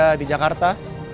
yang ada di jakarta